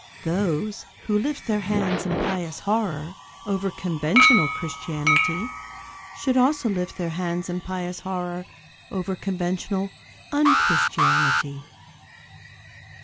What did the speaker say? Those who lift their hands in pious horror over conventional Christianity should also lift their hands in pious horror over conventional un Christianity.